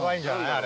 あれ。